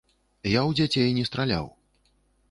Я ў дзяцей не страляў.